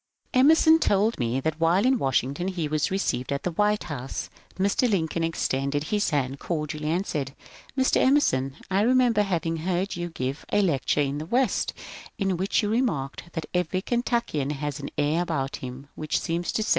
Emerson told me that while in Washington he was received at the White House». Mr. Lincoln extended his hand cor dially and said: "Mr. EmersOn; f" remember having heard you give a lecture in the West, in which you remarked that every Kentuokian has an air about him which seems to say.